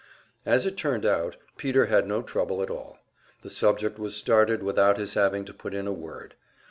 As it turned out, Peter had no trouble at all; the subject was started without his having to put in a word.